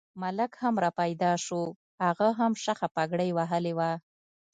ملک هم را پیدا شو، هغه هم شخه پګړۍ وهلې وه.